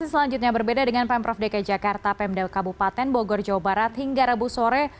selanjutnya berbeda dengan pemprov dki jakarta pemda kabupaten bogor jawa barat hingga rabu sore